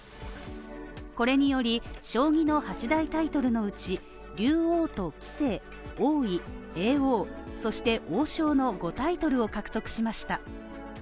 これにより、将棋の８大タイトルのうち竜王と棋聖、王位、叡王、そして王将の５タイトルを獲得しました。